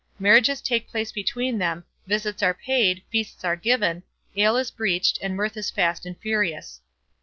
Marriages take place between them, visits are paid, feasts are given, ale is breached, and mirth is fast and furious.